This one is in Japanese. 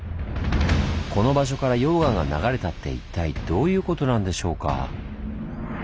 この場所から溶岩が流れたって一体どういうことなんでしょうか？